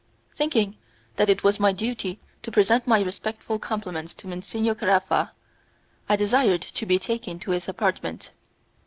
Thinking that it was my duty to present my respectful compliments to Monsignor Caraffa, I desired to be taken to his apartment.